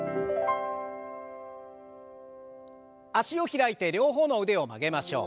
脚を開いて両方の腕を曲げましょう。